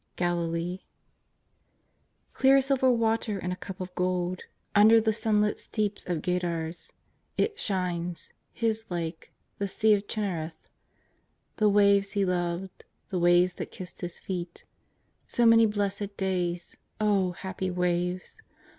GALILEE. Clear silver water in a cup of gold, Under the sunlit steeps of Gadara, It shines — His Lake — the Sea of Chinnereth The waves He loved, the waves that kissed Plis feet So many blessed days. Oh, happy waves!